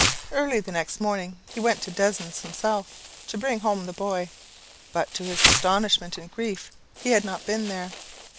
Early the next morning he went to Desne's himself to bring home the boy, but, to his astonishment and grief, he had not been there.